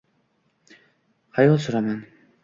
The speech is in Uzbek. Xayol suraman.